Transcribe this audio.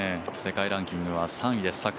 世界ランキングは３位です